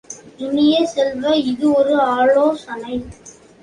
இனிய செல்வ, இது ஒரு ஆலோசனை!